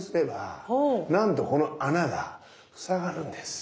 なんとこの穴が塞がるんです。